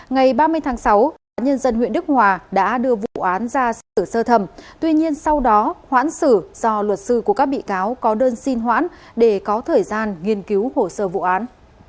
ngày ba mươi tháng sáu tòa nhân dân huyện đức hòa đã đưa vụ án ra xử sơ thẩm tuy nhiên sau đó hoãn xử do luật sư của các bị cáo có đơn xin hoãn để có thời gian nghiên cứu hồ sơ vụ án